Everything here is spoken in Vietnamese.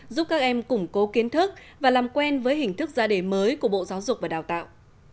giúp các em củng cố kiến thức và làm quen với hình thức ra đề mới của bộ giáo dục và đào tạo